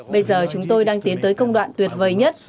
bây giờ chúng tôi đang tiến tới công đoạn tuyệt vời nhất